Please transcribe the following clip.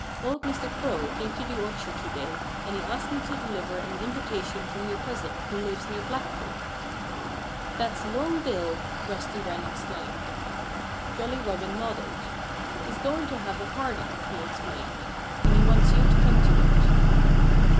Old Mr. Crow came to the orchard to day and he asked me to deliver an invitation from your cousin who lives near Black Creek." "That's Long Bill!" Rusty Wren exclaimed. Jolly Robin nodded. "He's going to have a party," he explained. "And he wants you to come to it."